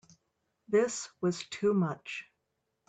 This was too much.